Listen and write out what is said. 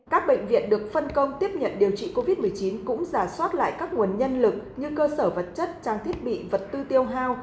các bệnh viện được phân công tiếp nhận điều trị covid một mươi chín cũng giả soát lại các nguồn nhân lực như cơ sở vật chất trang thiết bị vật tư tiêu hao